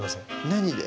何で？